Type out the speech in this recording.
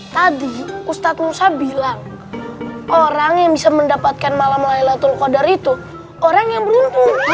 tadi ustadz nusa bilang orang yang bisa mendapatkan malam laylatul qadar itu orang yang beruntung